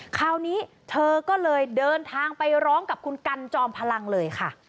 คราวนี้เธอก็เลยเดินทางไปร้องกับคุณกันจอมพลังเลยค่ะ